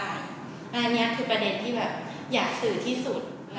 อันนี้คือประเด็นที่แบบอยากสื่อที่สุด